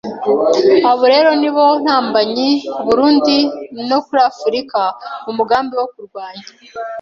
"Abo rero nibo ntambamyi ku Burundi no kuri Afrika mu mugambi wo kurwanya